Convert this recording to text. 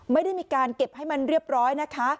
ไม่ได้มีการเก็บให้มันเรียบร้อยนะคะ